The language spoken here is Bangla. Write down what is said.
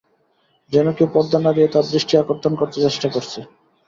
যেন কেউ পর্দা নাড়িয়ে তাঁর দৃষ্টি আকর্ষণ করতে চেষ্টা করছে।